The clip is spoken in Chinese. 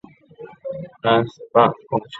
台北市北半部由台北北警察署管辖。